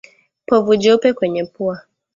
Povu jeupe kwenye pua